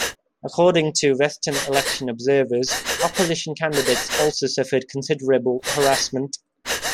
According to western election observers, opposition candidates also suffered considerable harassment.